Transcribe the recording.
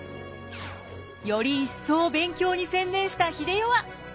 より一層勉強に専念した英世は。